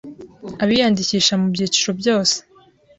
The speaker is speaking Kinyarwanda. Abiyandikisha mu byiciro byose